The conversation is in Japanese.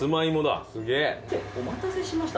お待たせしました。